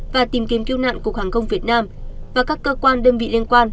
và tìm kiếm cứu nạn cục hàng không việt nam và các cơ quan đơn vị liên quan